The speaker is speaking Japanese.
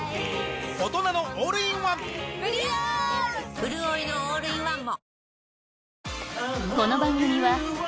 うるおいのオールインワンも！